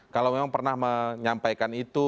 kalau memang pernah menyampaikan itu